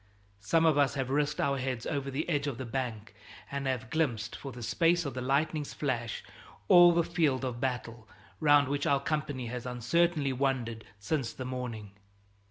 Some of us have risked our heads over the edge of the bank and have glimpsed for the space of the lightning's flash all the field of battle round which our company has uncertainly wandered since the morning.